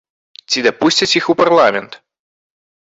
Ці дапусцяць іх у парламент.